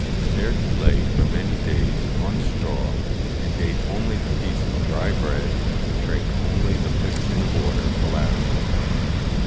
There he lay for many days on straw, and ate only the piece of dry bread and drank only the pipkin of water allowed him.